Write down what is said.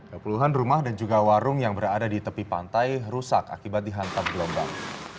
kepuluhan rumah dan juga warung yang berada di tepi pantai rusak akibat dihantam gelombang